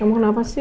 kamu kenapa sih